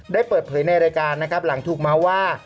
ได้เปิดเผยในรายการนะครับหลังถูกเมาส์ว่า